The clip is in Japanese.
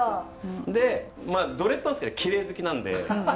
でまあドレッドなんですけどきれい好きなんで。